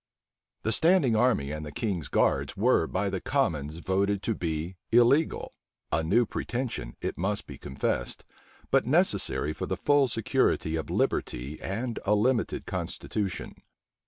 The standing army and the king's guards were by the commons voted to be illegal; a new pretension, it must be confessed, but necessary for the full security of liberty and a limited constitution.